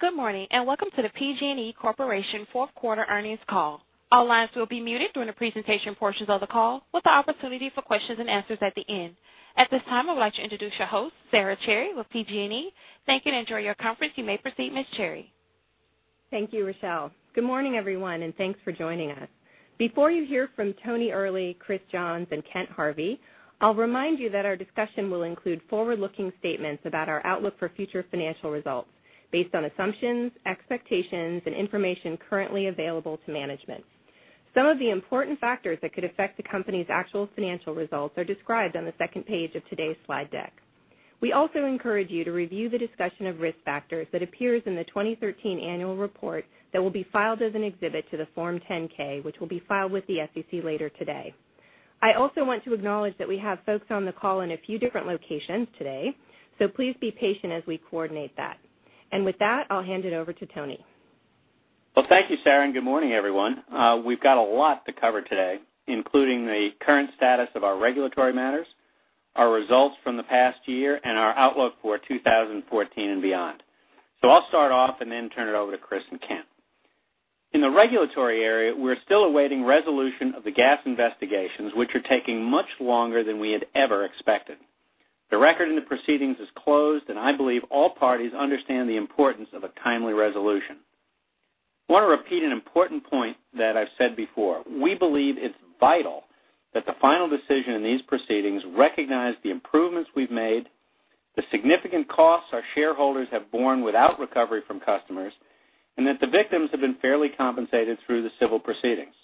Good morning, welcome to the PG&E Corporation fourth quarter earnings call. All lines will be muted during the presentation portions of the call, with the opportunity for questions and answers at the end. At this time, I would like to introduce your host, Sara Cherry with PG&E. Thank you and enjoy your conference. You may proceed, Ms. Cherry. Thank you, Rochelle. Good morning, everyone, thanks for joining us. Before you hear from Tony Earley, Christopher Johns, and Kent Harvey, I'll remind you that our discussion will include forward-looking statements about our outlook for future financial results based on assumptions, expectations, and information currently available to management. Some of the important factors that could affect the company's actual financial results are described on the second page of today's slide deck. We also encourage you to review the discussion of risk factors that appears in the 2013 annual report that will be filed as an exhibit to the Form 10-K, which will be filed with the SEC later today. I also want to acknowledge that we have folks on the call in a few different locations today, so please be patient as we coordinate that. With that, I'll hand it over to Tony. Well, thank you, Sara, good morning, everyone. We've got a lot to cover today, including the current status of our regulatory matters, our results from the past year, our outlook for 2014 and beyond. I'll start off, then turn it over to Chris and Kent. In the regulatory area, we're still awaiting resolution of the gas investigations, which are taking much longer than we had ever expected. The record in the proceedings is closed, I believe all parties understand the importance of a timely resolution. I want to repeat an important point that I've said before. We believe it's vital that the final decision in these proceedings recognize the improvements we've made, the significant costs our shareholders have borne without recovery from customers, and that the victims have been fairly compensated through the civil proceedings.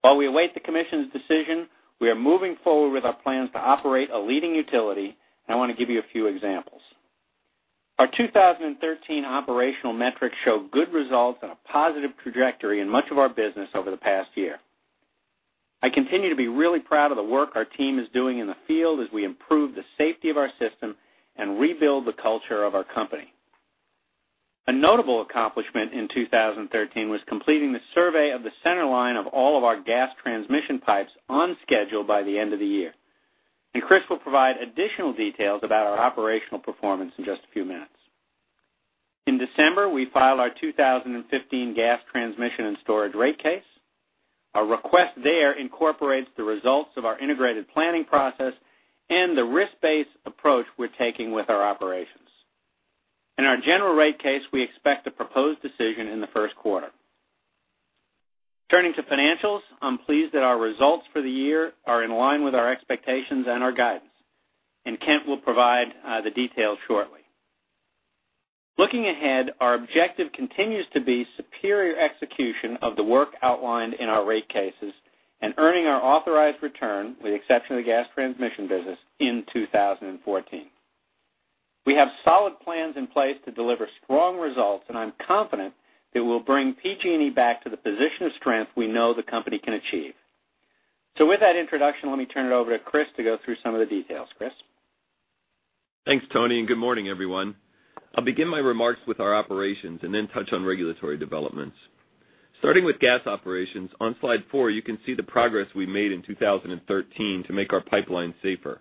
While we await the commission's decision, we are moving forward with our plans to operate a leading utility, I want to give you a few examples. Our 2013 operational metrics show good results and a positive trajectory in much of our business over the past year. I continue to be really proud of the work our team is doing in the field as we improve the safety of our system and rebuild the culture of our company. A notable accomplishment in 2013 was completing the survey of the center line of all of our gas transmission pipes on schedule by the end of the year. Chris will provide additional details about our operational performance in just a few minutes. In December, we filed our 2015 gas transmission and storage rate case. Our request there incorporates the results of our integrated planning process and the risk-based approach we're taking with our operations. In our General Rate Case, we expect a proposed decision in the first quarter. Turning to financials, I'm pleased that our results for the year are in line with our expectations and our guidance. Kent will provide the details shortly. Looking ahead, our objective continues to be superior execution of the work outlined in our rate cases and earning our authorized return, with the exception of the gas transmission business, in 2014. We have solid plans in place to deliver strong results, and I'm confident that we'll bring PG&E back to the position of strength we know the company can achieve. With that introduction, let me turn it over to Chris to go through some of the details. Chris? Thanks, Tony, and good morning, everyone. I'll begin my remarks with our operations and then touch on regulatory developments. Starting with gas operations, on slide four you can see the progress we made in 2013 to make our pipeline safer.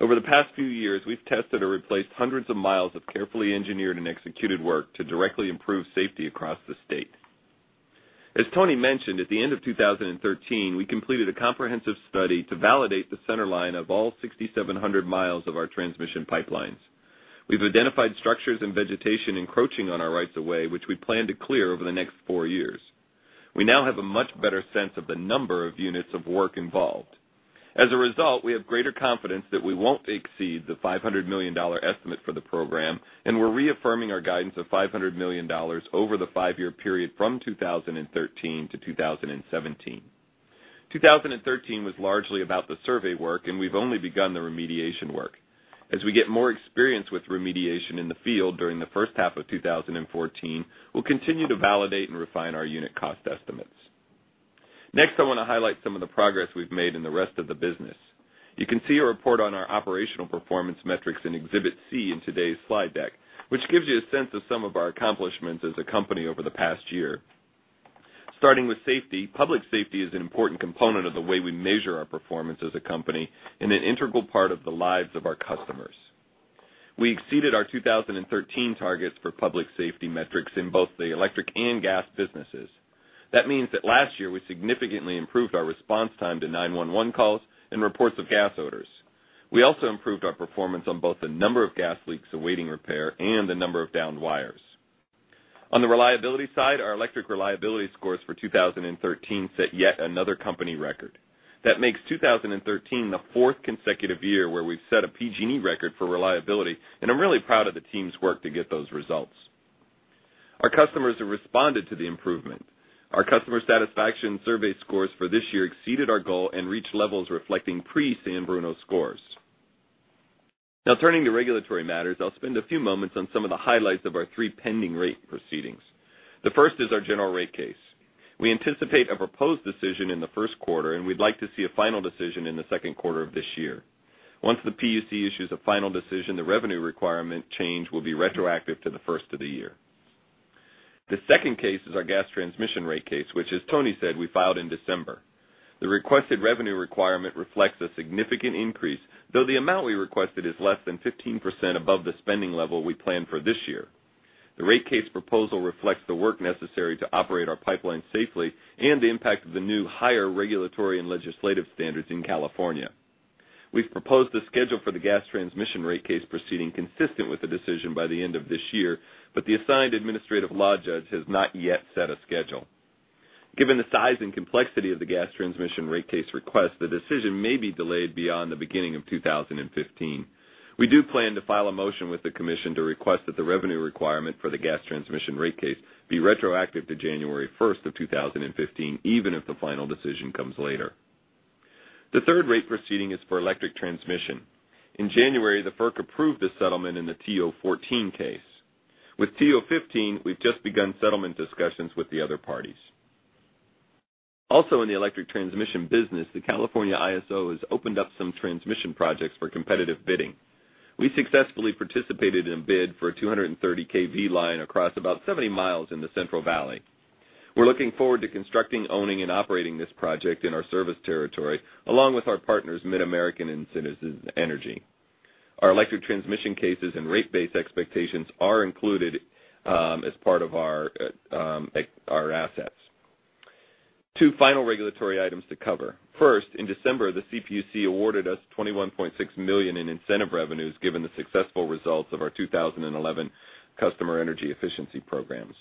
Over the past few years, we've tested or replaced hundreds of miles of carefully engineered and executed work to directly improve safety across the state. As Tony mentioned, at the end of 2013, we completed a comprehensive study to validate the center line of all 6,700 miles of our transmission pipelines. We've identified structures and vegetation encroaching on our rights of way, which we plan to clear over the next four years. We now have a much better sense of the number of units of work involved. As a result, we have greater confidence that we won't exceed the $500 million estimate for the program, and we're reaffirming our guidance of $500 million over the five-year period from 2013 to 2017. 2013 was largely about the survey work, and we've only begun the remediation work. As we get more experience with remediation in the field during the first half of 2014, we'll continue to validate and refine our unit cost estimates. Next, I want to highlight some of the progress we've made in the rest of the business. You can see a report on our operational performance metrics in Exhibit C in today's slide deck, which gives you a sense of some of our accomplishments as a company over the past year. Starting with safety, public safety is an important component of the way we measure our performance as a company and an integral part of the lives of our customers. We exceeded our 2013 targets for public safety metrics in both the electric and gas businesses. That means that last year, we significantly improved our response time to 911 calls and reports of gas odors. We also improved our performance on both the number of gas leaks awaiting repair and the number of downed wires. On the reliability side, our electric reliability scores for 2013 set yet another company record. That makes 2013 the fourth consecutive year where we've set a PG&E record for reliability, and I'm really proud of the team's work to get those results. Our customers have responded to the improvement. Our customer satisfaction survey scores for this year exceeded our goal and reached levels reflecting pre-San Bruno scores. Turning to regulatory matters, I'll spend a few moments on some of the highlights of our three pending rate proceedings. The first is our general rate case. We anticipate a proposed decision in the first quarter, and we'd like to see a final decision in the second quarter of this year. Once the PUC issues a final decision, the revenue requirement change will be retroactive to the first of the year. The second case is our gas transmission rate case, which, as Tony said, we filed in December. The requested revenue requirement reflects a significant increase, though the amount we requested is less than 15% above the spending level we planned for this year. The rate case proposal reflects the work necessary to operate our pipeline safely and the impact of the new higher regulatory and legislative standards in California. We've proposed a schedule for the gas transmission rate case proceeding consistent with the decision by the end of this year, but the assigned administrative law judge has not yet set a schedule. Given the size and complexity of the gas transmission rate case request, the decision may be delayed beyond the beginning of 2015. We do plan to file a motion with the commission to request that the revenue requirement for the gas transmission rate case be retroactive to January first of 2015, even if the final decision comes later. The third rate proceeding is for electric transmission. In January, the FERC approved a settlement in the TO-14 case. With TO-15, we've just begun settlement discussions with the other parties. In the electric transmission business, the California ISO has opened up some transmission projects for competitive bidding. We successfully participated in a bid for a 230 kV line across about 70 miles in the Central Valley. We're looking forward to constructing, owning, and operating this project in our service territory, along with our partners, MidAmerican and Citizens Energy. Our electric transmission cases and rate base expectations are included as part of our assets. Two final regulatory items to cover. First, in December, the CPUC awarded us $21.6 million in incentive revenues given the successful results of our 2011 customer energy efficiency programs.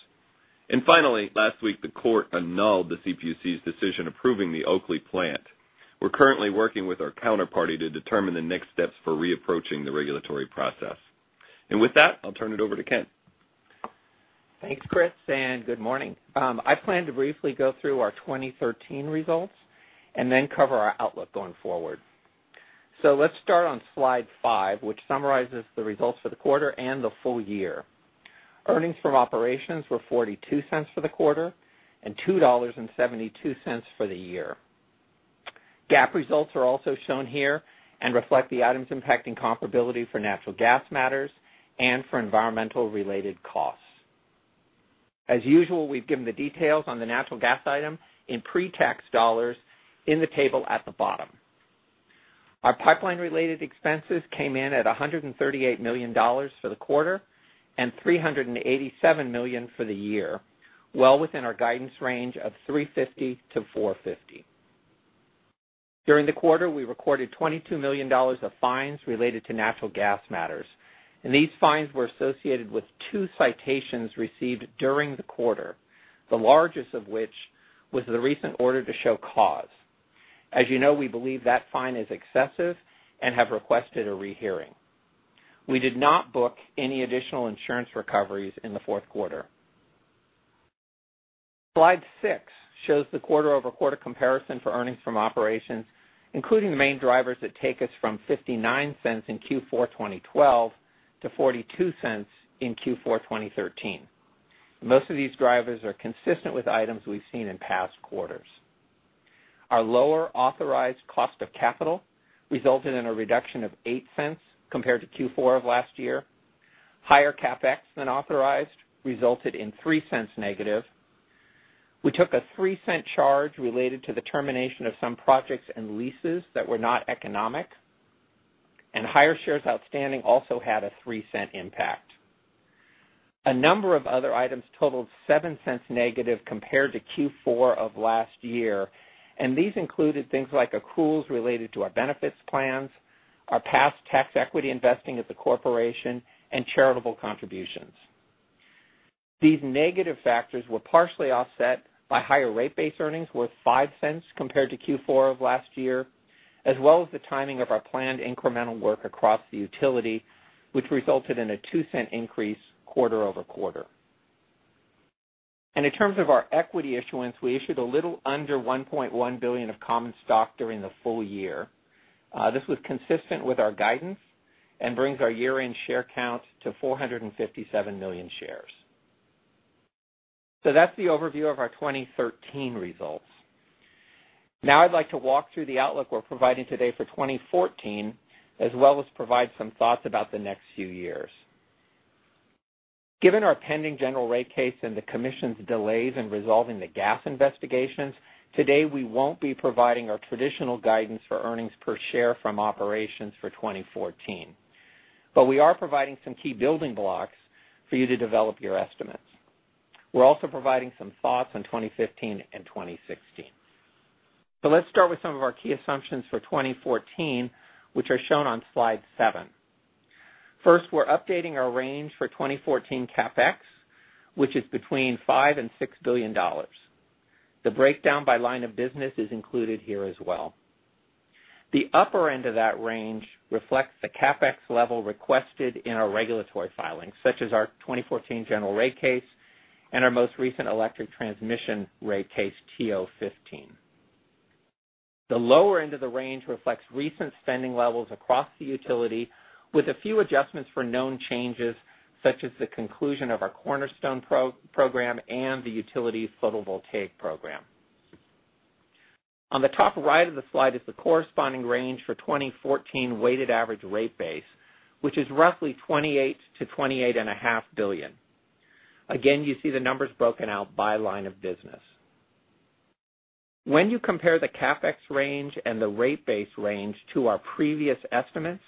Finally, last week, the court annulled the CPUC's decision approving the Oakley plant. We're currently working with our counterparty to determine the next steps for re-approaching the regulatory process. With that, I'll turn it over to Kent. Thanks, Chris, and good morning. I plan to briefly go through our 2013 results and then cover our outlook going forward. Let's start on slide five, which summarizes the results for the quarter and the full year. Earnings from operations were $0.42 for the quarter and $2.72 for the year. GAAP results are also shown here and reflect the items impacting comparability for natural gas matters and for environmental-related costs. As usual, we've given the details on the natural gas item in pre-tax dollars in the table at the bottom. Our pipeline-related expenses came in at $138 million for the quarter and $387 million for the year, well within our guidance range of $350 million-$450 million. During the quarter, we recorded $22 million of fines related to natural gas matters. These fines were associated with two citations received during the quarter, the largest of which was the recent order to show cause. As you know, we believe that fine is excessive and have requested a rehearing. We did not book any additional insurance recoveries in the fourth quarter. Slide six shows the quarter-over-quarter comparison for earnings from operations, including the main drivers that take us from $0.59 in Q4 2012 to $0.42 in Q4 2013. Most of these drivers are consistent with items we've seen in past quarters. Our lower authorized cost of capital resulted in a reduction of $0.08 compared to Q4 of last year. Higher CapEx than authorized resulted in $0.03 negative. We took a $0.03 charge related to the termination of some projects and leases that were not economic. Higher shares outstanding also had a $0.03 impact. A number of other items totaled $0.07 negative compared to Q4 of last year. These included things like accruals related to our benefits plans, our past tax equity investing at the corporation, and charitable contributions. These negative factors were partially offset by higher rate base earnings worth $0.05 compared to Q4 of last year, as well as the timing of our planned incremental work across the utility, which resulted in a $0.02 increase quarter-over-quarter. In terms of our equity issuance, we issued a little under $1.1 billion of common stock during the full year. This was consistent with our guidance and brings our year-end share count to 457 million shares. That's the overview of our 2013 results. Now I'd like to walk through the outlook we're providing today for 2014, as well as provide some thoughts about the next few years. Given our pending general rate case and the commission's delays in resolving the gas investigations, today we won't be providing our traditional guidance for earnings per share from operations for 2014. We are providing some key building blocks for you to develop your estimates. We're also providing some thoughts on 2015 and 2016. Let's start with some of our key assumptions for 2014, which are shown on slide seven. First, we're updating our range for 2014 CapEx, which is between $5 billion and $6 billion. The breakdown by line of business is included here as well. The upper end of that range reflects the CapEx level requested in our regulatory filings, such as our 2014 general rate case and our most recent electric transmission rate case, TO-15. The lower end of the range reflects recent spending levels across the utility with a few adjustments for known changes, such as the conclusion of our Cornerstone program and the utility's photovoltaic program. On the top right of the slide is the corresponding range for 2014 weighted average rate base, which is roughly $28 billion to $28.5 billion. Again, you see the numbers broken out by line of business. When you compare the CapEx range and the rate base range to our previous estimates,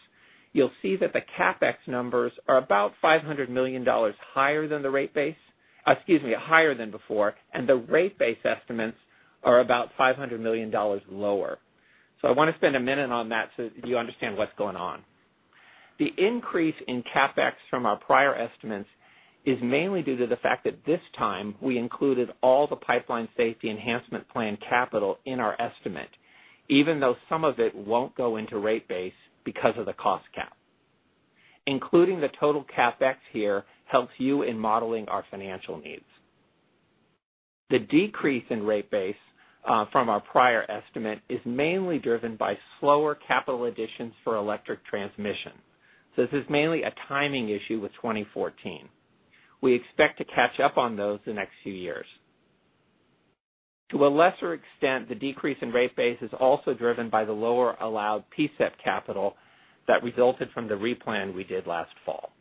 you'll see that the CapEx numbers are about $500 million higher than the rate base, excuse me, higher than before, and the rate base estimates are about $500 million lower. I want to spend a minute on that so you understand what's going on. The increase in CapEx from our prior estimates is mainly due to the fact that this time, we included all the Pipeline Safety Enhancement Plan capital in our estimate, even though some of it won't go into rate base because of the cost cap. Including the total CapEx here helps you in modeling our financial needs. The decrease in rate base from our prior estimate is mainly driven by slower capital additions for electric transmission. This is mainly a timing issue with 2014. We expect to catch up on those the next few years. To a lesser extent, the decrease in rate base is also driven by the lower allowed PSEP capital that resulted from the replan we did last fall.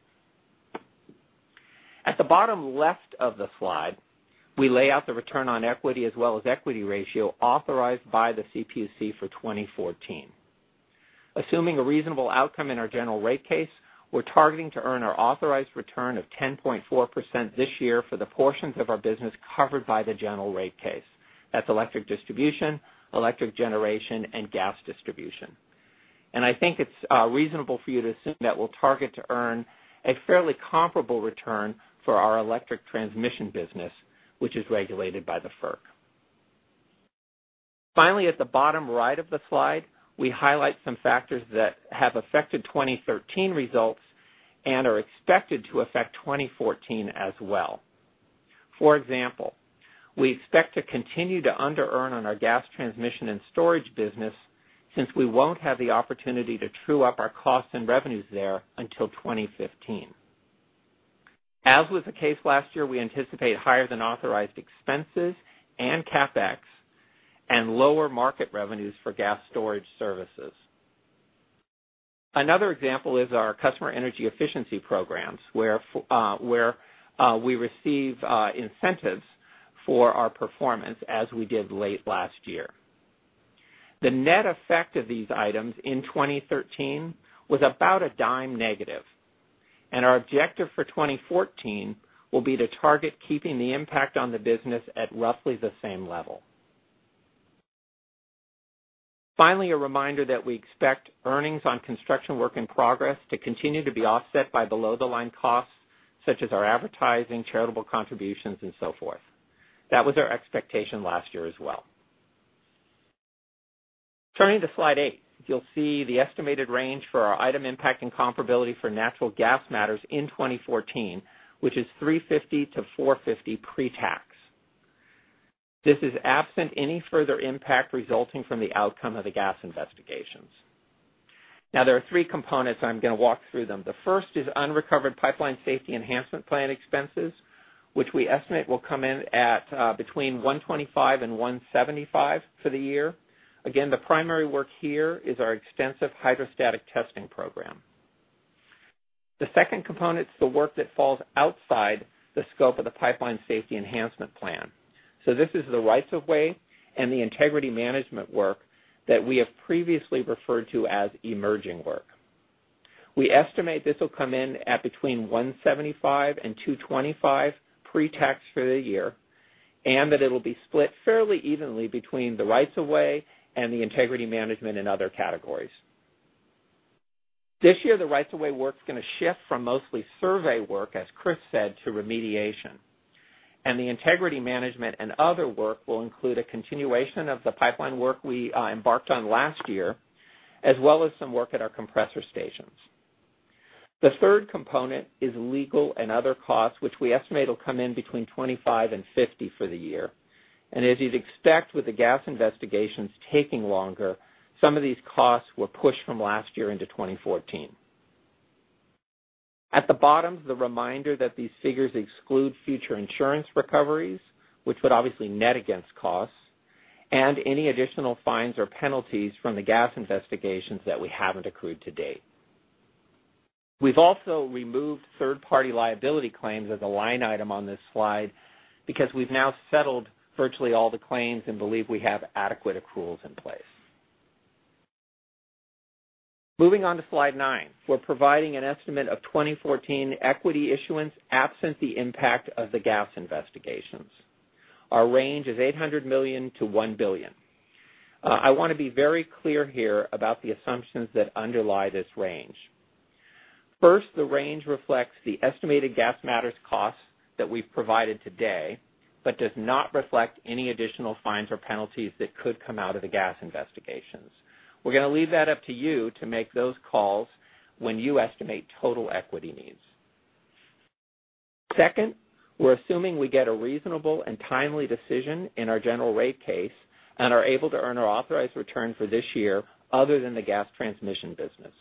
At the bottom left of the slide, we lay out the return on equity as well as equity ratio authorized by the CPUC for 2014. Assuming a reasonable outcome in our General Rate Case, we're targeting to earn our authorized return of 10.4% this year for the portions of our business covered by the General Rate Case. That's electric distribution, electric generation, and gas distribution. I think it's reasonable for you to assume that we'll target to earn a fairly comparable return for our electric transmission business, which is regulated by the FERC. Finally, at the bottom right of the slide, we highlight some factors that have affected 2013 results and are expected to affect 2014 as well. For example, we expect to continue to under-earn on our Gas Transmission and Storage business, since we won't have the opportunity to true up our costs and revenues there until 2015. As was the case last year, we anticipate higher than authorized expenses and CapEx and lower market revenues for gas storage services. Another example is our customer energy efficiency programs, where we receive incentives for our performance as we did late last year. The net effect of these items in 2013 was about $0.10 negative, and our objective for 2014 will be to target keeping the impact on the business at roughly the same level. Finally, a reminder that we expect earnings on Construction Work in Progress to continue to be offset by below-the-line costs, such as our advertising, charitable contributions, and so forth. That was our expectation last year as well. Turning to slide eight, you'll see the estimated range for our item impacting comparability for natural gas matters in 2014, which is $350-$450 pre-tax. This is absent any further impact resulting from the outcome of the gas investigations. There are three components, and I'm going to walk through them. The first is unrecovered Pipeline Safety Enhancement Plan expenses, which we estimate will come in at between $125 and $175 for the year. Again, the primary work here is our extensive hydrostatic testing program. The second component's the work that falls outside the scope of the Pipeline Safety Enhancement Plan. This is the rights of way and the integrity management work that we have previously referred to as emerging work. We estimate this will come in at between $175 and $225 pre-tax for the year, and that it'll be split fairly evenly between the rights of way and the integrity management and other categories. This year, the rights of way work's going to shift from mostly survey work, as Chris said, to remediation. The integrity management and other work will include a continuation of the pipeline work we embarked on last year, as well as some work at our compressor stations. The third component is legal and other costs, which we estimate will come in between $25 million and $50 million for the year. As you'd expect with the gas investigations taking longer, some of these costs were pushed from last year into 2014. The bottom is the reminder that these figures exclude future insurance recoveries, which would obviously net against costs, and any additional fines or penalties from the gas investigations that we haven't accrued to date. We've also removed third-party liability claims as a line item on this slide because we've now settled virtually all the claims and believe we have adequate accruals in place. Moving on to slide nine, we're providing an estimate of 2014 equity issuance absent the impact of the gas investigations. Our range is $800 million to $1 billion. I want to be very clear here about the assumptions that underlie this range. First, the range reflects the estimated gas matters costs that we've provided today, but does not reflect any additional fines or penalties that could come out of the gas investigations. We're going to leave that up to you to make those calls when you estimate total equity needs. Second, we're assuming we get a reasonable and timely decision in our general rate case and are able to earn our authorized return for this year other than the gas transmission business.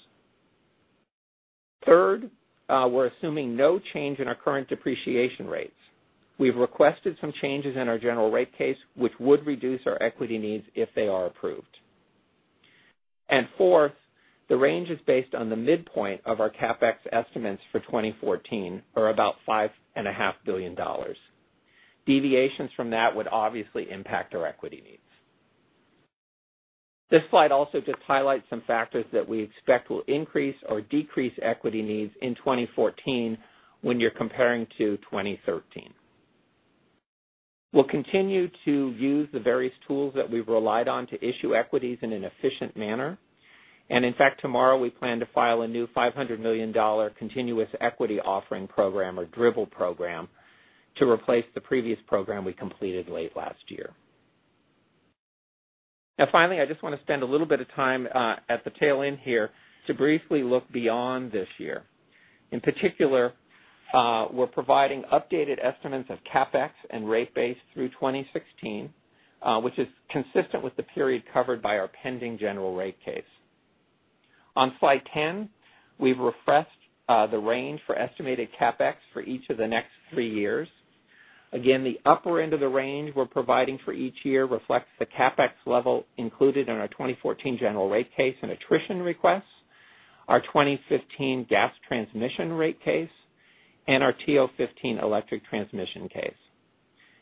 Third, we're assuming no change in our current depreciation rates. We've requested some changes in our general rate case, which would reduce our equity needs if they are approved. Fourth, the range is based on the midpoint of our CapEx estimates for 2014, or about $5.5 billion. Deviations from that would obviously impact our equity needs. This slide also just highlights some factors that we expect will increase or decrease equity needs in 2014 when you're comparing to 2013. We'll continue to use the various tools that we've relied on to issue equities in an efficient manner. In fact, tomorrow we plan to file a new $500 million continuous equity offering program, or dribble program, to replace the previous program we completed late last year. Finally, I just want to spend a little bit of time at the tail end here to briefly look beyond this year. In particular, we're providing updated estimates of CapEx and rate base through 2016, which is consistent with the period covered by our pending general rate case. On slide 10, we've refreshed the range for estimated CapEx for each of the next three years. The upper end of the range we're providing for each year reflects the CapEx level included in our 2014 general rate case and attrition requests, our 2015 gas transmission rate case, and our TO15 electric transmission case.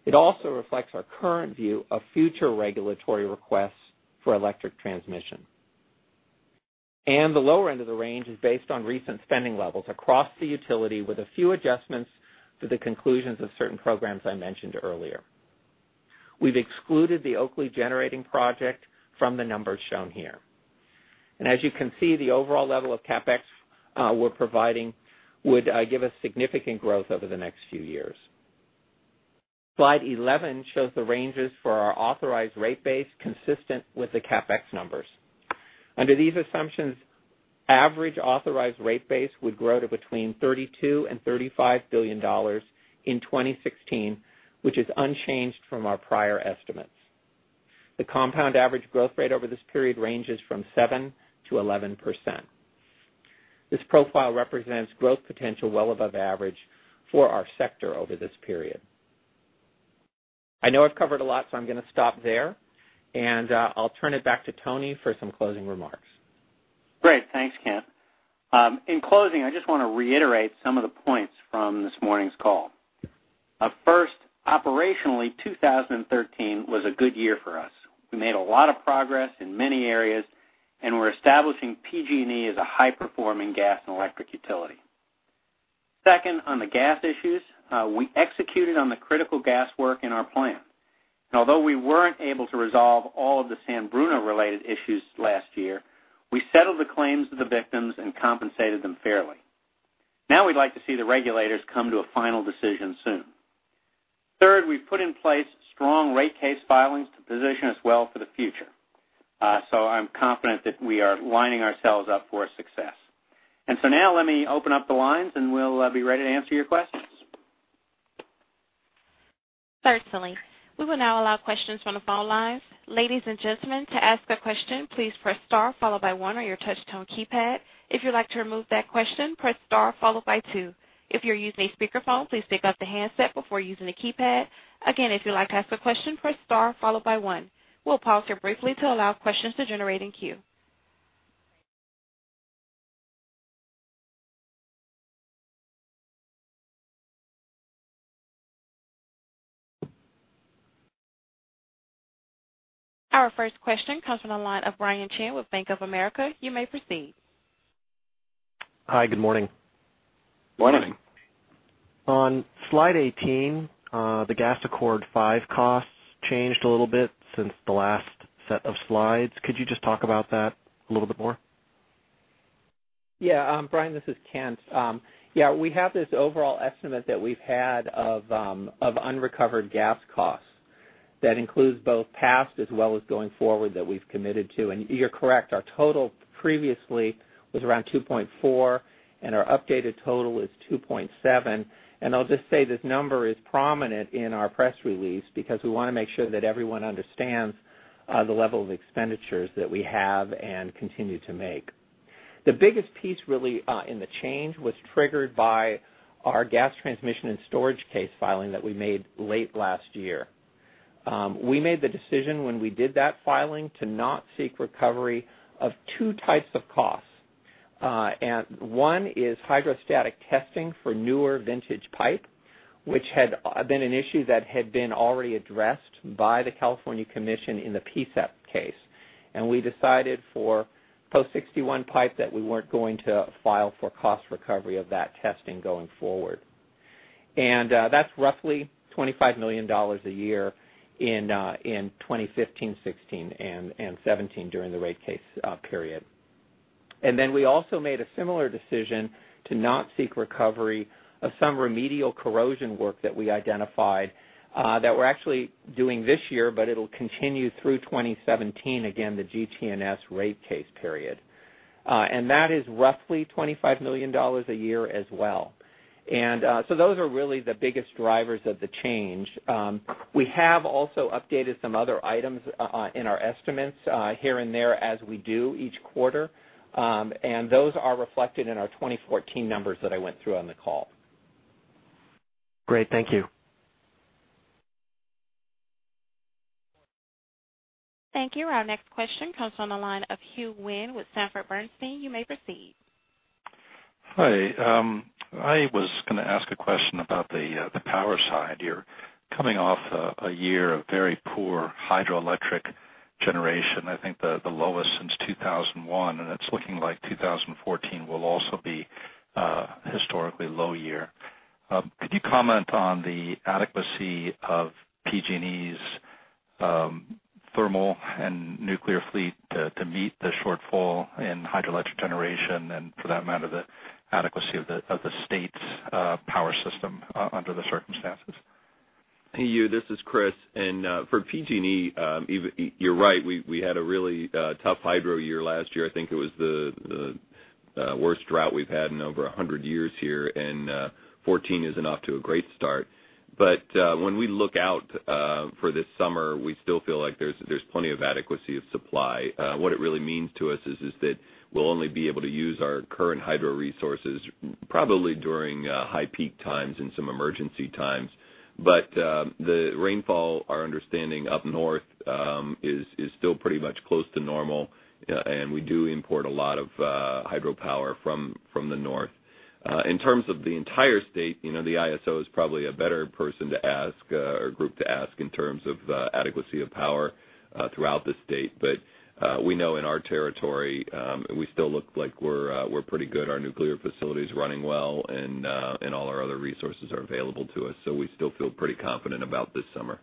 It also reflects our current view of future regulatory requests for electric transmission. The lower end of the range is based on recent spending levels across the utility, with a few adjustments to the conclusions of certain programs I mentioned earlier. We've excluded the Oakley generating project from the numbers shown here. As you can see, the overall level of CapEx we're providing would give us significant growth over the next few years. Slide 11 shows the ranges for our authorized rate base consistent with the CapEx numbers. Under these assumptions, average authorized rate base would grow to between $32 billion and $35 billion in 2016, which is unchanged from our prior estimates. The compound average growth rate over this period ranges from 7%-11%. This profile represents growth potential well above average for our sector over this period. I know I've covered a lot, so I'm going to stop there, and I'll turn it back to Tony for some closing remarks. Great. Thanks, Kent. In closing, I just want to reiterate some of the points from this morning's call. First, operationally, 2013 was a good year for us. We made a lot of progress in many areas, and we're establishing PG&E as a high-performing gas and electric utility. Second, on the gas issues, we executed on the critical gas work in our plan. Although we weren't able to resolve all of the San Bruno-related issues last year, we settled the claims of the victims and compensated them fairly. Now we'd like to see the regulators come to a final decision soon. Third, we've put in place strong rate case filings to position us well for the future. I'm confident that we are lining ourselves up for success. Now let me open up the lines, and we'll be ready to answer your questions. Certainly. We will now allow questions from the phone lines. Ladies and gentlemen, to ask a question, please press star followed by one on your touch tone keypad. If you'd like to remove that question, press star followed by two. If you're using a speakerphone, please pick up the handset before using the keypad. Again, if you'd like to ask a question, press star followed by one. We'll pause here briefly to allow questions to generate in queue. Our first question comes from the line of Brian Chin with Bank of America. You may proceed. Hi, good morning. Morning. Morning. On slide 18, the Gas Accord V costs changed a little bit since the last set of slides. Could you just talk about that a little bit more? Brian, this is Kent. We have this overall estimate that we've had of unrecovered gas costs that includes both past as well as going forward that we've committed to. You're correct, our total previously was around $2.4, and our updated total is $2.7. I'll just say this number is prominent in our press release because we want to make sure that everyone understands the level of expenditures that we have and continue to make. The biggest piece, really, in the change was triggered by our gas transmission and storage case filing that we made late last year. We made the decision when we did that filing to not seek recovery of 2 types of costs. One is hydrostatic testing for newer vintage pipe, which had been an issue that had been already addressed by the California Commission in the PSEP case. We decided for post-1961 pipe that we weren't going to file for cost recovery of that testing going forward. That's roughly $25 million a year in 2015, 2016, and 2017 during the rate case period. Then we also made a similar decision to not seek recovery of some remedial corrosion work that we identified that we're actually doing this year, but it'll continue through 2017, again, the GTNS rate case period. That is roughly $25 million a year as well. So those are really the biggest drivers of the change. We have also updated some other items in our estimates here and there as we do each quarter. Those are reflected in our 2014 numbers that I went through on the call. Great. Thank you. Thank you. Our next question comes on the line of Hugh Wynne with Sanford C. Bernstein. You may proceed. Hi. I was going to ask a question about the power side. You're coming off a year of very poor hydroelectric generation, I think the lowest since 2001, and it's looking like 2014 will also be a historically low year. Could you comment on the adequacy of PG&E's thermal and nuclear fleet to meet the shortfall in hydroelectric generation and for that matter, the adequacy of the state's power system under the circumstances? Hugh Wynne, this is Chris. For PG&E, you're right. We had a really tough hydro year last year. I think it was the worst drought we've had in over 100 years here, and 2014 isn't off to a great start. When we look out for this summer, we still feel like there's plenty of adequacy of supply. What it really means to us is that we'll only be able to use our current hydro resources probably during high peak times and some emergency times. The rainfall, our understanding up north is still pretty much close to normal, and we do import a lot of hydropower from the north. In terms of the entire state, the ISO is probably a better person to ask or group to ask in terms of adequacy of power throughout the state. We know in our territory, we still look like we're pretty good. Our nuclear facility's running well, and all our other resources are available to us, so we still feel pretty confident about this summer.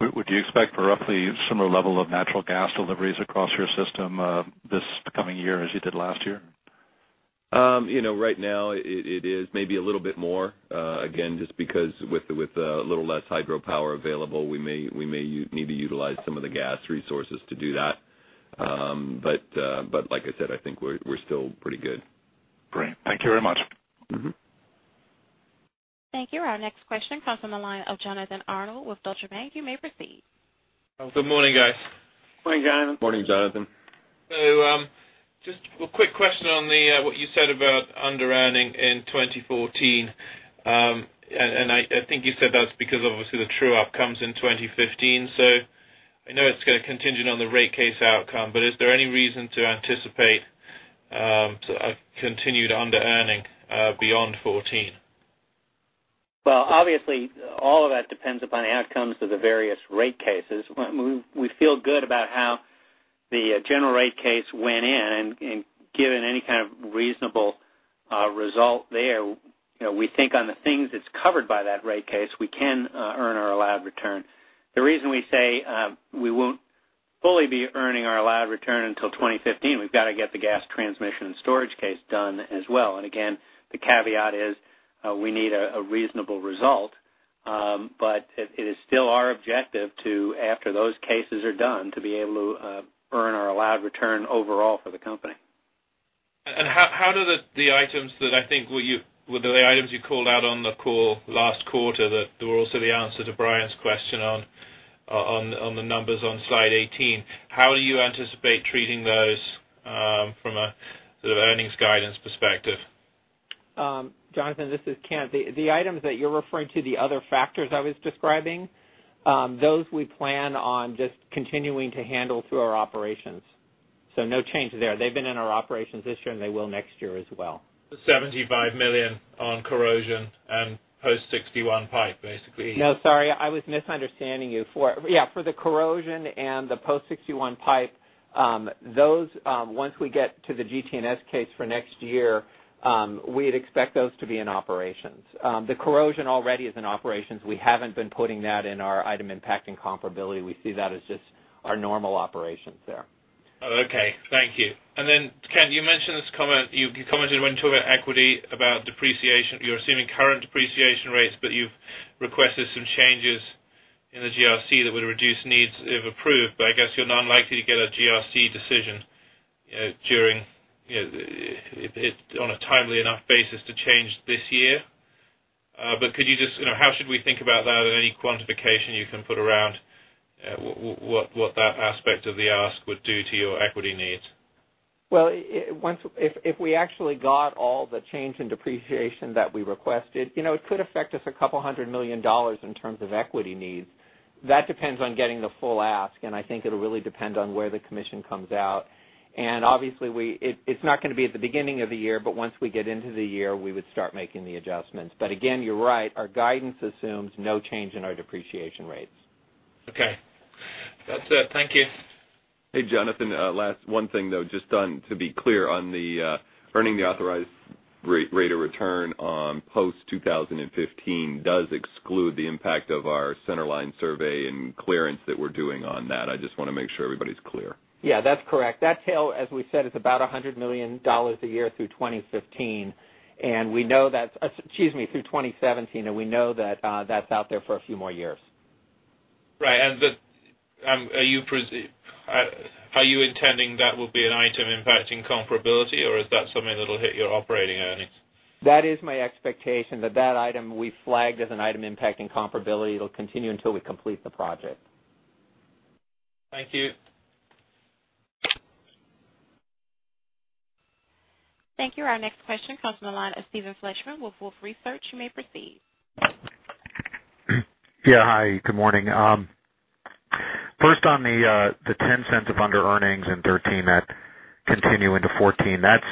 Would you expect roughly similar level of natural gas deliveries across your system this coming year as you did last year? Right now it is maybe a little bit more. Again, just because with a little less hydropower available, we may need to utilize some of the gas resources to do that. Like I said, I think we're still pretty good. Great. Thank you very much. Thank you. Our next question comes on the line of Jonathan Arnold with Deutsche Bank. You may proceed. Good morning, guys. Morning, Jonathan. Morning, Jonathan. Just a quick question on what you said about underearning in 2014. I think you said that was because obviously the true-up comes in 2015, so I know it's going to contingent on the rate case outcome, but is there any reason to anticipate continued underearning beyond 2014? Obviously, all of that depends upon the outcomes of the various rate cases. We feel good about how the general rate case went in. Given any kind of reasonable result there, we think on the things that's covered by that rate case, we can earn our allowed return. The reason we say we won't fully be earning our allowed return until 2015, we've got to get the gas transmission and storage case done as well. Again, the caveat is we need a reasonable result. It is still our objective to, after those cases are done, to be able to earn our allowed return overall for the company. How do the items that I think were the items you called out on the call last quarter that were also the answer to Brian's question on the numbers on slide 18, how do you anticipate treating those from an earnings guidance perspective? Jonathan, this is Kent. The items that you're referring to, the other factors I was describing, those we plan on just continuing to handle through our operations. No change there. They've been in our operations this year, and they will next year as well. The $75 million on corrosion and post-1961 pipe, basically. No, sorry, I was misunderstanding you. For the corrosion and the post-1961 pipe, those, once we get to the GTNS case for next year, we'd expect those to be in operations. The corrosion already is in operations. We haven't been putting that in our item impacting comparability. We see that as just our normal operations there. Oh, okay. Thank you. Then, Kent, you mentioned this comment, you commented when talking about equity, about depreciation. You're assuming current depreciation rates, but you've requested some changes in the GRC that would reduce needs if approved. I guess you're not likely to get a GRC decision on a timely enough basis to change this year. How should we think about that? Any quantification you can put around what that aspect of the ask would do to your equity needs? Well, if we actually got all the change in depreciation that we requested, it could affect us $200 million in terms of equity needs. That depends on getting the full ask, and I think it'll really depend on where the Commission comes out. Obviously it's not going to be at the beginning of the year, but once we get into the year, we would start making the adjustments. Again, you're right, our guidance assumes no change in our depreciation rates. Okay. That's it. Thank you. Hey, Jonathan, last one thing, though, just to be clear on the earning the authorized rate of return on post 2015 does exclude the impact of our center line survey and clearance that we're doing on that. I just want to make sure everybody's clear. Yeah, that's correct. That tail, as we said, is about $100 million a year through 2015. Excuse me, through 2017, and we know that that's out there for a few more years. Right. Are you intending that will be an item impacting comparability, or is that something that'll hit your operating earnings? That is my expectation, that that item we flagged as an item impacting comparability. It'll continue until we complete the project. Thank you. Thank you. Our next question comes from the line of Steven Fleishman with Wolfe Research. You may proceed. Yeah. Hi, good morning. First, on the $0.10 of underearnings in 2013 that continue into 2014, that's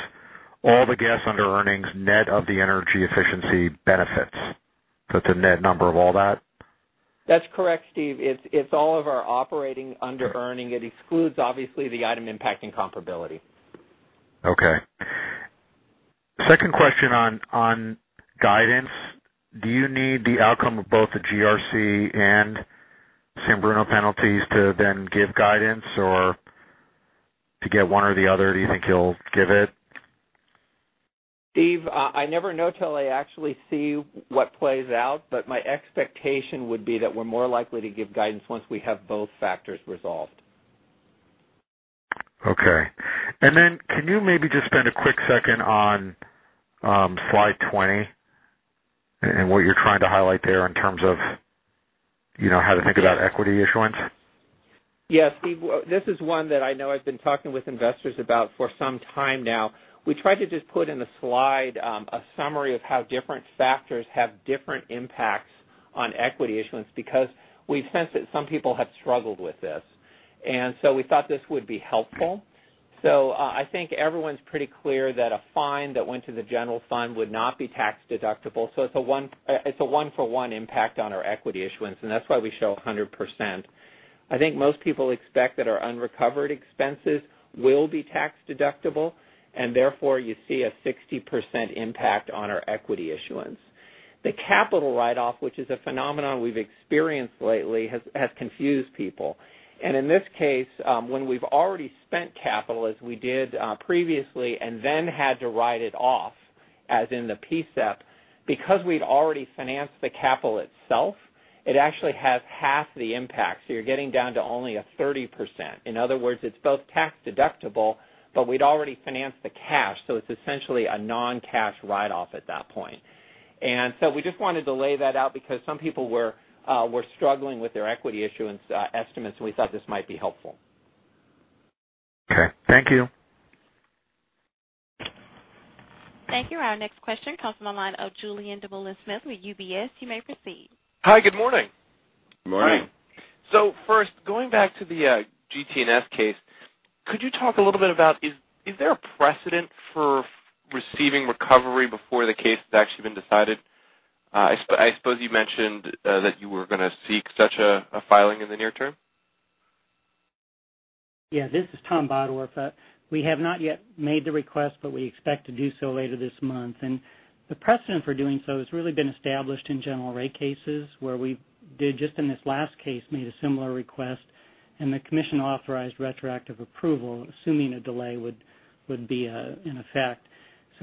all the gas underearnings net of the energy efficiency benefits. It's a net number of all that? That's correct, Steve. It's all of our operating underearning. It excludes, obviously, the item impacting comparability. Okay. Second question on guidance, do you need the outcome of both the GRC and San Bruno penalties to then give guidance? Or to get one or the other, do you think you'll give it? Steve, I never know till I actually see what plays out, My expectation would be that we're more likely to give guidance once we have both factors resolved. Okay. Can you maybe just spend a quick second on slide 20 and what you're trying to highlight there in terms of how to think about equity issuance? Yeah, Steve, this is one that I know I've been talking with investors about for some time now. We tried to just put in the slide, a summary of how different factors have different impacts on equity issuance because we sense that some people have struggled with this. We thought this would be helpful. I think everyone's pretty clear that a fine that went to the general fund would not be tax deductible. It's a one-for-one impact on our equity issuance, and that's why we show 100%. I think most people expect that our unrecovered expenses will be tax deductible, and therefore you see a 60% impact on our equity issuance. The capital write-off, which is a phenomenon we've experienced lately, has confused people. In this case, when we've already spent capital as we did previously and then had to write it off, as in the PSEP, because we'd already financed the capital itself, it actually has half the impact. So you're getting down to only a 30%. In other words, it's both tax deductible, but we'd already financed the cash, so it's essentially a non-cash write-off at that point. We just wanted to lay that out because some people were struggling with their equity issuance estimates, and we thought this might be helpful. Okay. Thank you. Thank you. Our next question comes from the line of Julien Dumoulin-Smith with UBS. You may proceed. Hi, good morning. Good morning. First, going back to the GT&S case, could you talk a little bit about, is there a precedent for receiving recovery before the case has actually been decided? I suppose you mentioned that you were going to seek such a filing in the near term? Yeah, this is Tom Bottorff. We have not yet made the request, but we expect to do so later this month. The precedent for doing so has really been established in general rate cases where we did just in this last case, made a similar request, and the commission authorized retroactive approval, assuming a delay would be in effect.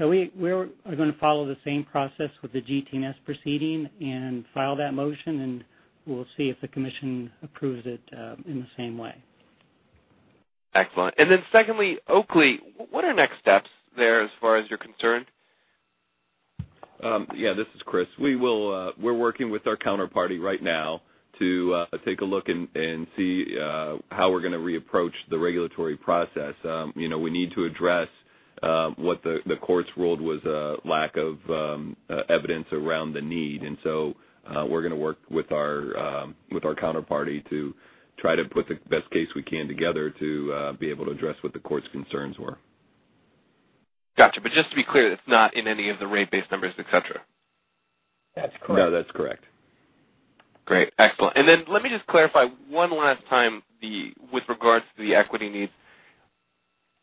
We are going to follow the same process with the GT&S proceeding and file that motion, and we'll see if the commission approves it in the same way. Excellent. Then secondly, Oakley, what are next steps there as far as you're concerned? Yeah, this is Chris. We're working with our counterparty right now to take a look and see how we're going to reapproach the regulatory process. We need to address what the court's ruled was a lack of evidence around the need. We're going to work with our counterparty to try to put the best case we can together to be able to address what the court's concerns were. Got you. Just to be clear, it's not in any of the rate base numbers, et cetera? That's correct. No, that's correct. Great. Excellent. Let me just clarify one last time with regards to the equity needs.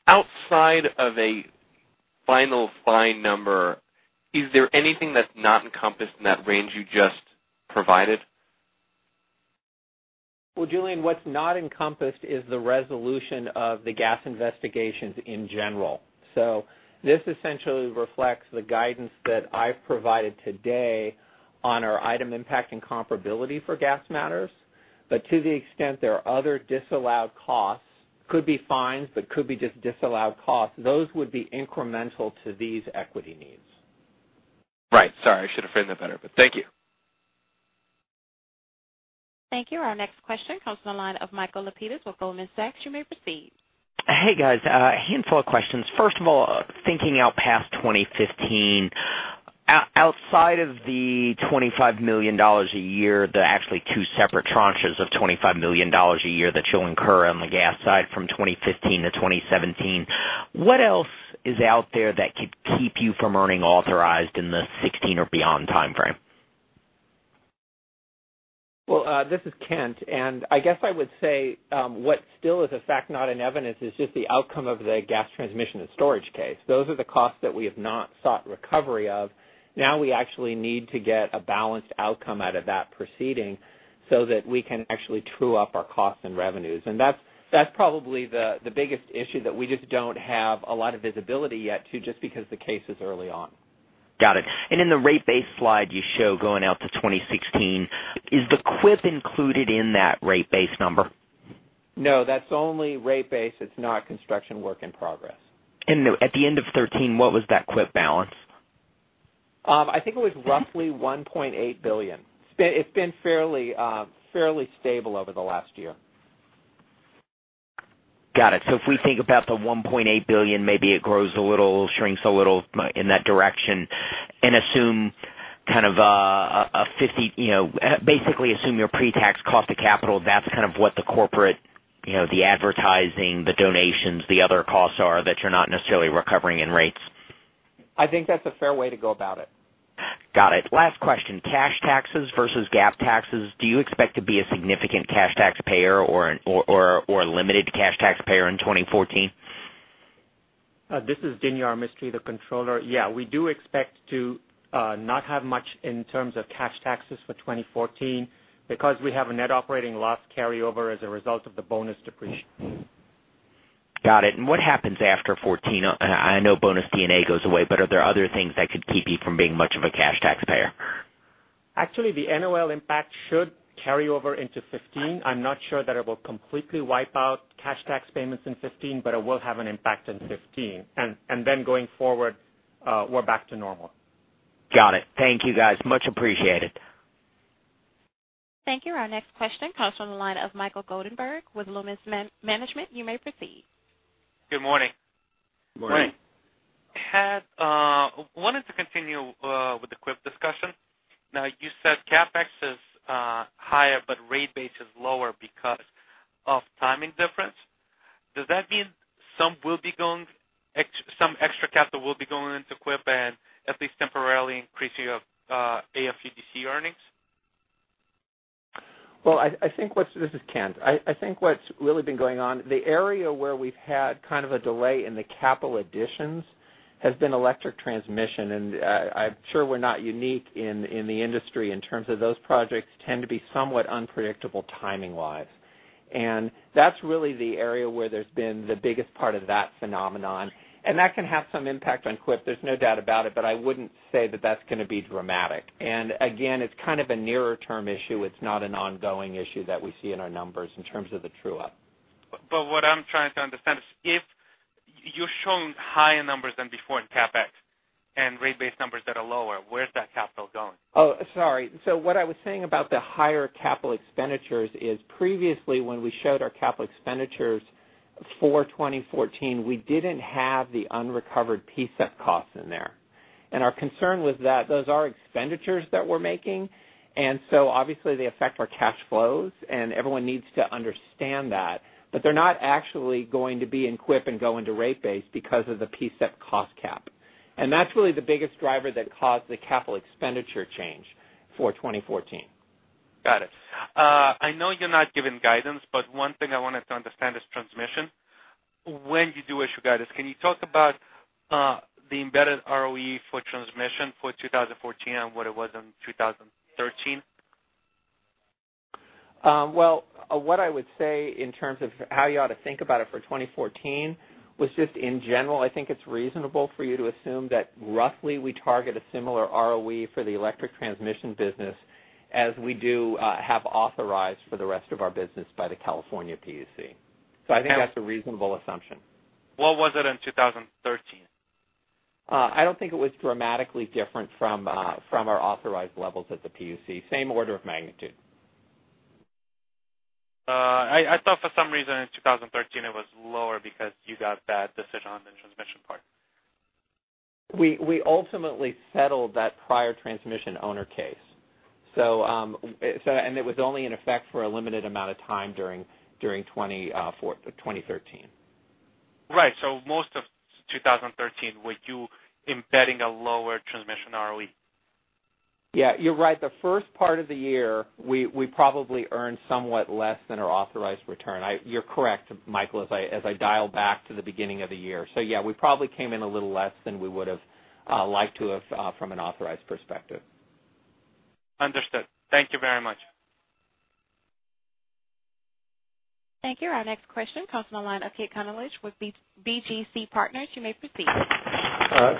Outside of a final fine number, is there anything that's not encompassed in that range you just provided? Well, Julien, what's not encompassed is the resolution of the gas investigations in general. This essentially reflects the guidance that I've provided today on our item impacting comparability for gas matters. To the extent there are other disallowed costs, could be fines, could be just disallowed costs, those would be incremental to these equity needs. Right. Sorry, I should have framed that better, thank you. Thank you. Our next question comes from the line of Michael Lapides with Goldman Sachs. You may proceed. Hey, guys. First of all, thinking out past 2015, outside of the $25 million a year, the actually two separate tranches of $25 million a year that you'll incur on the gas side from 2015 to 2017, what else is out there that could keep you from earning authorized in the 2016 or beyond timeframe? Well, this is Kent, I guess I would say what still is a fact not in evidence is just the outcome of the gas transmission and storage case. Those are the costs that we have not sought recovery of. Now we actually need to get a balanced outcome out of that proceeding so that we can actually true up our costs and revenues. That's probably the biggest issue that we just don't have a lot of visibility yet to just because the case is early on. Got it. In the rate base slide you show going out to 2016, is the CWIP included in that rate base number? No, that's only rate base. It's not construction work in progress. At the end of 2013, what was that CWIP balance? I think it was roughly $1.8 billion. It's been fairly stable over the last year. Got it. If we think about the $1.8 billion, maybe it grows a little, shrinks a little, in that direction. Basically assume your pre-tax cost of capital, that's kind of what the corporate, the advertising, the donations, the other costs are that you're not necessarily recovering in rates. I think that's a fair way to go about it. Got it. Last question. Cash taxes versus GAAP taxes. Do you expect to be a significant cash tax payer or limited cash taxpayer in 2014? This is Dinyar Mistry, the Controller. Yeah, we do expect to not have much in terms of cash taxes for 2014 because we have a net operating loss carryover as a result of the bonus depreciation. Got it. What happens after 2014? I know bonus depreciation goes away, are there other things that could keep you from being much of a cash taxpayer? Actually, the NOL impact should carry over into 2015. I'm not sure that it will completely wipe out cash tax payments in 2015, it will have an impact in 2015. Going forward, we're back to normal. Got it. Thank you guys. Much appreciated. Thank you. Our next question comes from the line of Michael Goldenberg with Luminus Management. You may proceed. Good morning. Morning. Morning. Wanted to continue with the CWIP discussion. You said CapEx is higher, but rate base is lower because of timing difference. Does that mean some extra capital will be going into CWIP and at least temporarily increase your AFUDC earnings? This is Kent Harvey. I think what's really been going on, the area where we've had kind of a delay in the capital additions has been electric transmission. I'm sure we're not unique in the industry in terms of those projects tend to be somewhat unpredictable timing-wise. That's really the area where there's been the biggest part of that phenomenon. That can have some impact on CWIP, there's no doubt about it, but I wouldn't say that that's going to be dramatic. Again, it's kind of a nearer-term issue, it's not an ongoing issue that we see in our numbers in terms of the true-up. What I'm trying to understand is if you're showing higher numbers than before in CapEx and rate base numbers that are lower, where is that capital going? Oh, sorry. What I was saying about the higher capital expenditures is previously when we showed our capital expenditures for 2014, we didn't have the unrecovered PSEP costs in there. Our concern was that those are expenditures that we're making, obviously they affect our cash flows and everyone needs to understand that. They're not actually going to be in CWIP and go into rate base because of the PSEP cost cap. That's really the biggest driver that caused the capital expenditure change for 2014. Got it. I know you're not giving guidance, but one thing I wanted to understand is transmission. When you do issue guidance, can you talk about the embedded ROE for transmission for 2014 and what it was in 2013? What I would say in terms of how you ought to think about it for 2014 was just in general, I think it's reasonable for you to assume that roughly we target a similar ROE for the electric transmission business as we do have authorized for the rest of our business by the California PUC. I think that's a reasonable assumption. What was it in 2013? I don't think it was dramatically different from our authorized levels at the PUC. Same order of magnitude. I thought for some reason in 2013 it was lower because you got that decision on the transmission part. We ultimately settled that prior transmission owner case. It was only in effect for a limited amount of time during 2013. Right. Most of 2013, were you embedding a lower transmission ROE? Yeah, you're right. The first part of the year, we probably earned somewhat less than our authorized return. You're correct, Michael, as I dial back to the beginning of the year. Yeah, we probably came in a little less than we would have liked to have from an authorized perspective. Understood. Thank you very much. Thank you. Our next question comes from the line of [Keith Conolich] with BGC Partners. You may proceed.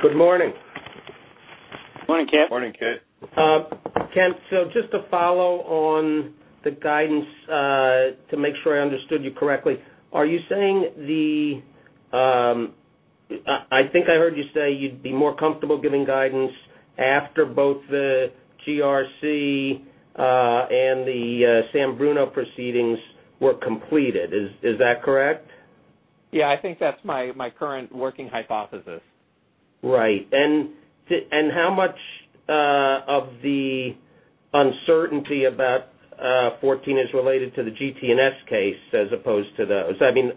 Good morning. Morning, Kit. Morning, Kit. Kent, just to follow on the guidance to make sure I understood you correctly. I think I heard you say you'd be more comfortable giving guidance after both the GRC and the San Bruno proceedings were completed. Is that correct? Yeah, I think that's my current working hypothesis. Right. How much of the uncertainty about 2014 is related to the GT&S case as opposed to those?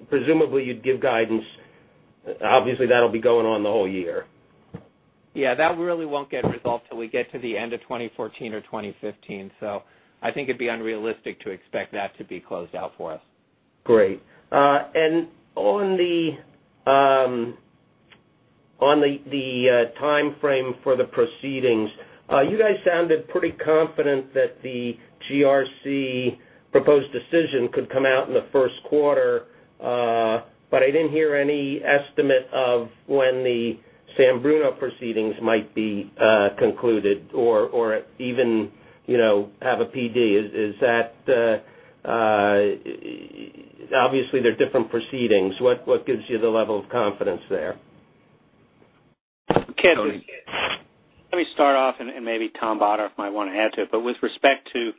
Presumably you'd give guidance. Obviously, that'll be going on the whole year. Yeah, that really won't get resolved till we get to the end of 2014 or 2015. I think it'd be unrealistic to expect that to be closed out for us. Great. On the timeframe for the proceedings, you guys sounded pretty confident that the GRC proposed decision could come out in the first quarter. I didn't hear any estimate of when the San Bruno proceedings might be concluded or even have a PD. Obviously, they're different proceedings. What gives you the level of confidence there, Tony? Let me start off, and maybe Tom Bottorff might want to add to it. With respect to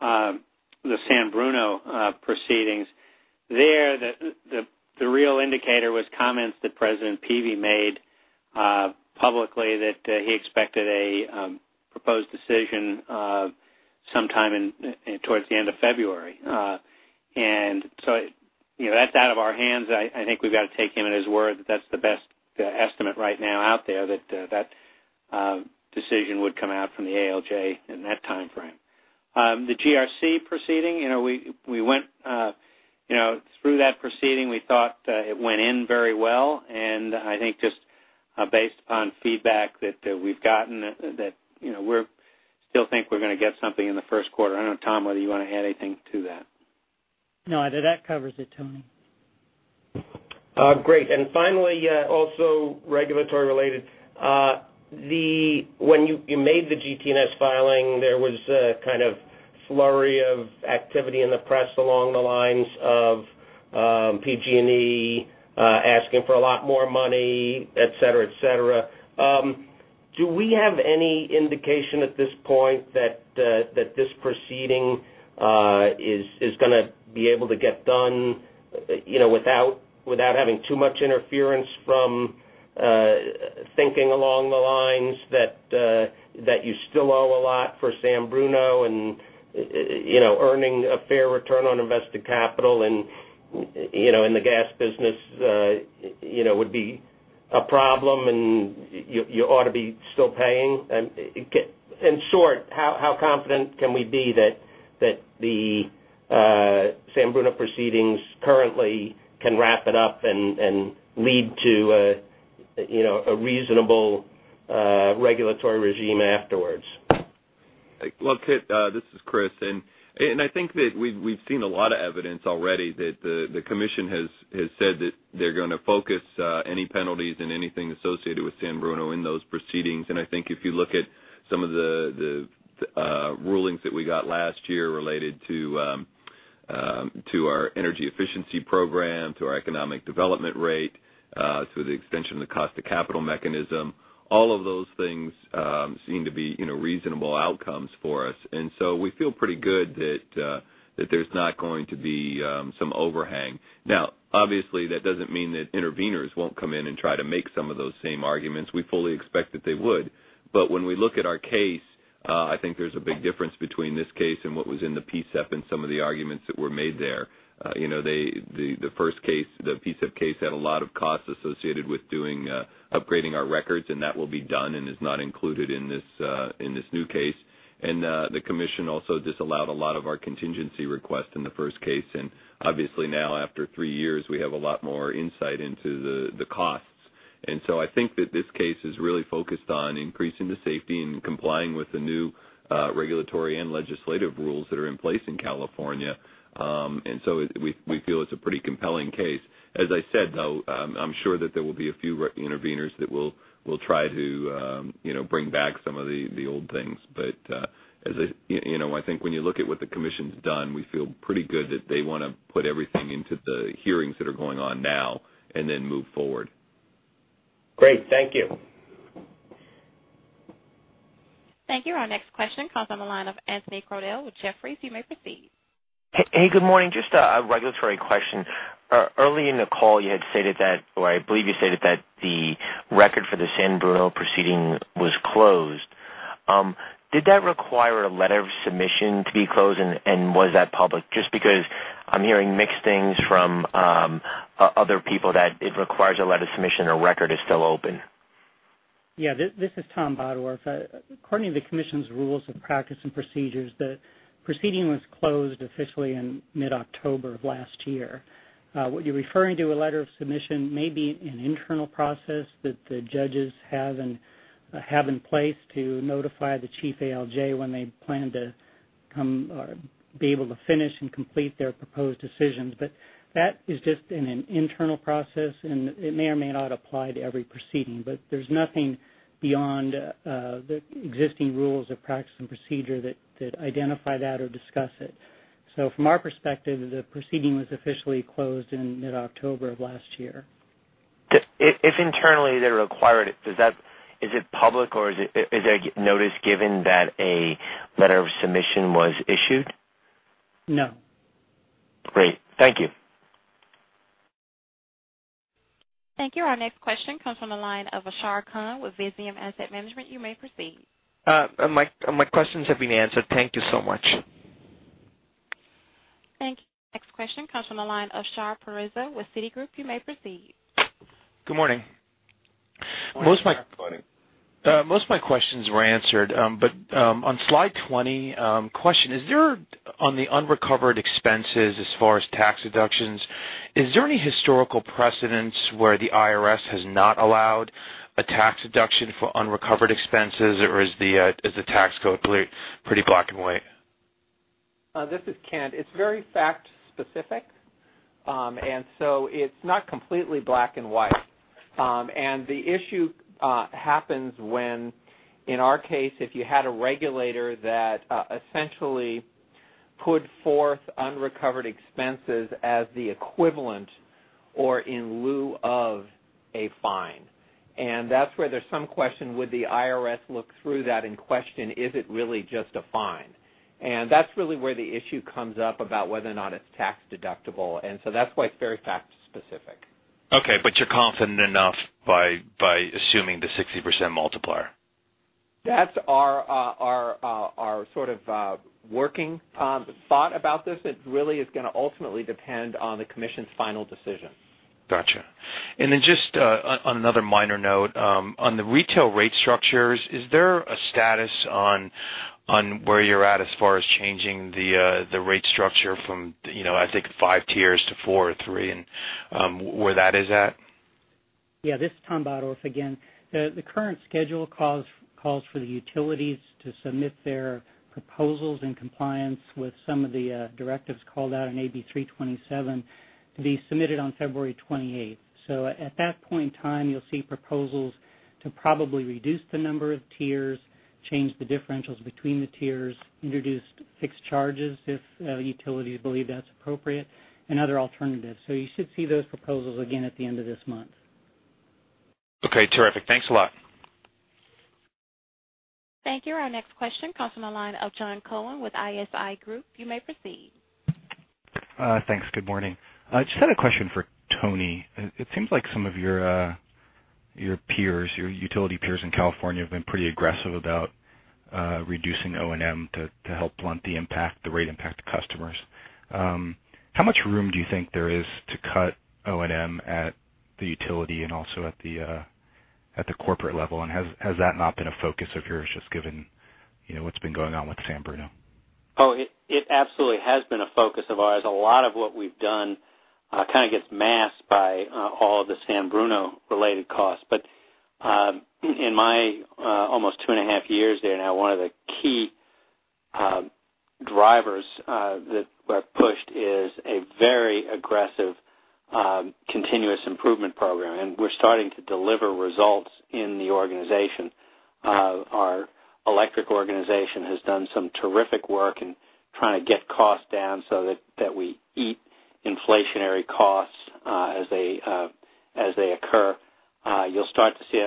the San Bruno proceedings, there, the real indicator was comments that President Peevey made publicly that he expected a proposed decision sometime towards the end of February. That's out of our hands. I think we've got to take him at his word that that's the best estimate right now out there, that decision would come out from the ALJ in that timeframe. The GRC proceeding, we went through that proceeding. We thought it went in very well, and I think just based upon feedback that we've gotten, we still think we're going to get something in the first quarter. I don't know, Tom, whether you want to add anything to that. No, that covers it, Tony. Great. Finally, also regulatory related, when you made the GT&S filing, there was a kind of flurry of activity in the press along the lines of PG&E asking for a lot more money, et cetera. Do we have any indication at this point that this proceeding is going to be able to get done without having too much interference from thinking along the lines that you still owe a lot for San Bruno, and earning a fair return on invested capital in the gas business would be a problem, and you ought to be still paying? In short, how confident can we be that the San Bruno proceedings currently can wrap it up and lead to a reasonable regulatory regime afterwards? Look, Kit, this is Chris. I think that we've seen a lot of evidence already that the commission has said that they're going to focus any penalties and anything associated with San Bruno in those proceedings. I think if you look at some of the rulings that we got last year related to our energy efficiency program, to our economic development rate, to the extension of the cost of capital mechanism, all of those things seem to be reasonable outcomes for us. So we feel pretty good that there's not going to be some overhang. Obviously, that doesn't mean that interveners won't come in and try to make some of those same arguments. We fully expect that they would. When we look at our case, I think there's a big difference between this case and what was in the PSEP and some of the arguments that were made there. The first case, the PSEP case, had a lot of costs associated with upgrading our records, and that will be done and is not included in this new case. The commission also disallowed a lot of our contingency requests in the first case. Obviously now, after three years, we have a lot more insight into the costs. I think that this case is really focused on increasing the safety and complying with the new regulatory and legislative rules that are in place in California. So we feel it's a pretty compelling case. As I said, though, I'm sure that there will be a few interveners that will try to bring back some of the old things. I think when you look at what the commission's done, we feel pretty good that they want to put everything into the hearings that are going on now and then move forward. Great. Thank you. Thank you. Our next question comes on the line of Anthony Crowdell with Jefferies. You may proceed. Hey, good morning. Just a regulatory question. Early in the call, you had stated that, or I believe you stated that the record for the San Bruno Proceeding was closed. Did that require a letter of submission to be closed, and was that public? Just because I'm hearing mixed things from other people that it requires a letter of submission or record is still open. Yeah, this is Tom Bottorff. According to the Commission's rules of practice and procedures, the proceeding was closed officially in mid-October of last year. What you're referring to, a letter of submission, may be an internal process that the judges have in place to notify the chief ALJ when they plan to be able to finish and complete their proposed decisions. That is just an internal process, and it may or may not apply to every proceeding. There's nothing beyond the existing rules of practice and procedure that identify that or discuss it. From our perspective, the proceeding was officially closed in mid-October of last year. If internally they require it, is it public, or is there a notice given that a letter of submission was issued? No. Great. Thank you. Thank you. Our next question comes from the line of Ashar Khan with Visium Asset Management. You may proceed. My questions have been answered. Thank you so much. Thank you. Next question comes from the line of Shar Parekh with Citigroup. You may proceed. Good morning. Morning. Most of my questions were answered, on slide 20, question, on the unrecovered expenses as far as tax deductions, is there any historical precedence where the IRS has not allowed a tax deduction for unrecovered expenses, or is the tax code pretty black and white? This is Kent. It's very fact specific. It's not completely black and white. The issue happens when, in our case, if you had a regulator that essentially put forth unrecovered expenses as the equivalent or in lieu of a fine. That's where there's some question, would the IRS look through that and question, is it really just a fine? That's really where the issue comes up about whether or not it's tax deductible. That's why it's very fact specific. Okay, but you're confident enough by assuming the 60% multiplier. That's our sort of working thought about this. It really is going to ultimately depend on the Commission's final decision. Got you. Just on another minor note, on the retail rate structures, is there a status on where you're at as far as changing the rate structure from, I think 5 tiers to 4 or 3 and where that is at? Yeah, this is Tom Bottorff again. The current schedule calls for the utilities to submit their proposals and compliance with some of the directives called out in AB 327 to be submitted on February 28th. At that point in time, you'll see proposals to probably reduce the number of tiers, change the differentials between the tiers, introduce fixed charges if utilities believe that's appropriate, and other alternatives. You should see those proposals again at the end of this month. Okay, terrific. Thanks a lot. Thank you. Our next question comes from the line of John Cohen with ISI Group. You may proceed. Thanks. Good morning. Just had a question for Tony. It seems like some of your utility peers in California have been pretty aggressive about reducing O&M to help blunt the rate impact to customers. How much room do you think there is to cut O&M at the utility and also at the corporate level? Has that not been a focus of yours, just given what's been going on with San Bruno? Oh, it absolutely has been a focus of ours. A lot of what we've done kind of gets masked by all the San Bruno related costs. In my almost two and a half years there now, one of the key drivers that were pushed is a very aggressive continuous improvement program. We're starting to deliver results in the organization. Our electric organization has done some terrific work in trying to get costs down so that we eat inflationary costs as they occur. You'll start to see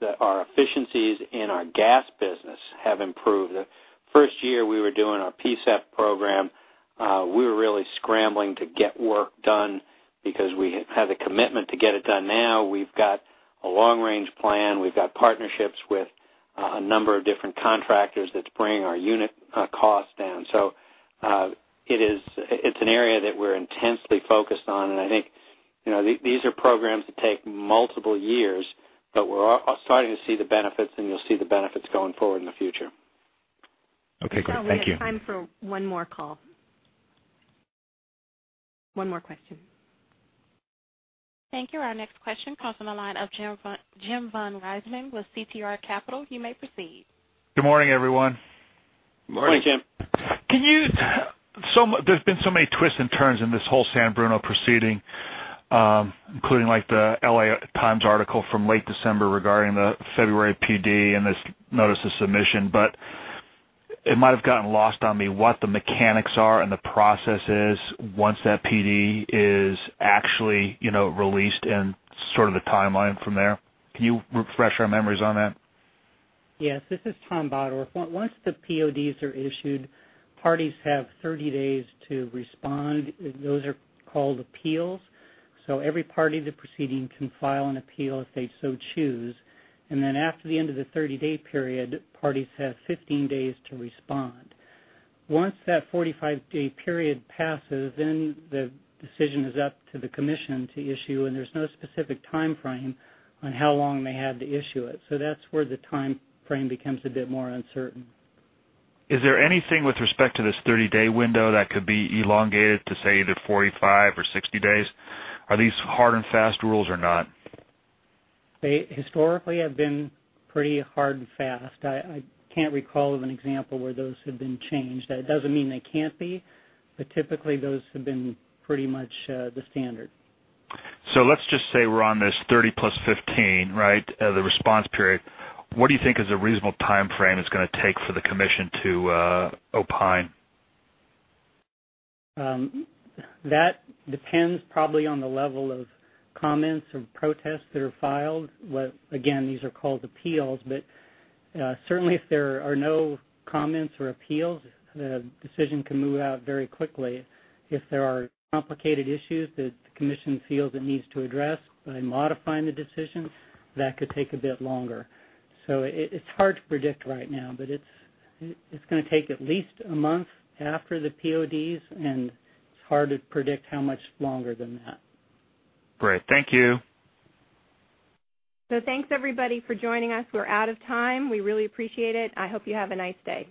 that our efficiencies in our gas business have improved. The first year we were doing our PSEP program, we were really scrambling to get work done because we had the commitment to get it done. Now we've got a long range plan. We've got partnerships with a number of different contractors that's bringing our unit cost down. It's an area that we're intensely focused on, and I think these are programs that take multiple years, but we're starting to see the benefits, and you'll see the benefits going forward in the future. Okay, great. Thank you. John, we have time for one more call. One more question. Thank you. Our next question comes on the line of James von Riesemann with CRT Capital. You may proceed. Good morning, everyone. Morning. Morning, Jim. There's been so many twists and turns in this whole San Bruno proceeding, including the Los Angeles Times article from late December regarding the February PD and this notice of submission. It might have gotten lost on me what the mechanics are and the processes once that PD is actually released and sort of the timeline from there. Can you refresh our memories on that? Yes. This is Tom Bottorff. Once the PODs are issued, parties have 30 days to respond. Those are called appeals. Every party in the proceeding can file an appeal if they so choose. After the end of the 30-day period, parties have 15 days to respond. Once that 45-day period passes, the decision is up to the Commission to issue. There's no specific timeframe on how long they have to issue it. That's where the timeframe becomes a bit more uncertain. Is there anything with respect to this 30-day window that could be elongated to, say, either 45 or 60 days? Are these hard and fast rules or not? They historically have been pretty hard and fast. I can't recall of an example where those have been changed. That doesn't mean they can't be, typically, those have been pretty much the standard. Let's just say we're on this 30 plus 15, right, the response period. What do you think is a reasonable timeframe it's going to take for the Commission to opine? That depends probably on the level of comments or protests that are filed. Again, these are called appeals, certainly if there are no comments or appeals, the decision can move out very quickly. If there are complicated issues that the Commission feels it needs to address by modifying the decision, that could take a bit longer. It's hard to predict right now, but it's going to take at least a month after the PODs, and it's hard to predict how much longer than that. Great. Thank you. Thanks everybody for joining us. We're out of time. We really appreciate it. I hope you have a nice day.